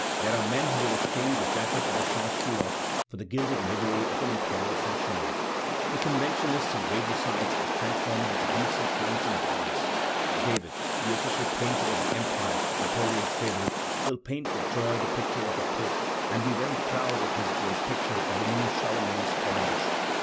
There are men who will exchange the jacket of the sans culotte for the gilded livery of an imperial functionary. The conventionists and regicides are transformed into dukes and counts and barons. David, the official painter of the Empire, Napoleon's favorite, will paint with joy the picture of a pope, and be very proud of his great picture of the new Charlemagne's coronation.